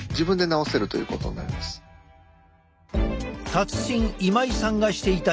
達人今井さんがしていた耳石戻し。